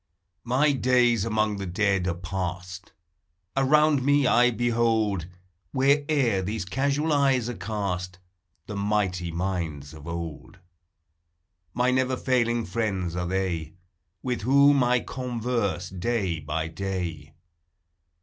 My days among the dead are passed; Around me I behold, Where'er these casual eves are cast, The mighty minds of old; My never failing friends are thev. With whom I converse day by day.